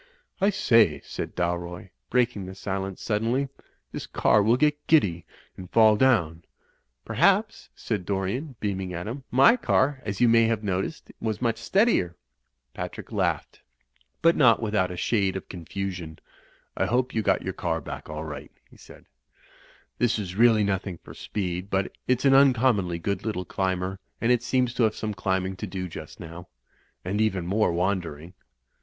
"I say," said Dalroy, breaking the silence suddenly, "this car will get giddy and fall down.'' Digitized by CjOOQ IC 264 THE FLYING INN "Perhaps," said Dorian, beaming at him, "my car, as you may have noticed, was much steadier." Patrick laughed, but not without a shade of confu sion. "I hope you got back your car all right," he said "This is really nothing for speed; but it's an uncommonly good little climber, and it seems to have some climbing to do just now. And even more wan dering."